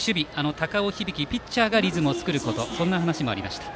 高尾響、ピッチャーがリズムを作ることそんな話もありました。